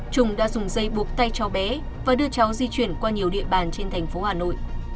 trung đã dùng dây buộc tay cho bé và đưa cháu di chuyển qua nhiều địa bàn trên thành phố hà nội